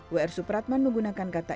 w r supratman menggunakan kata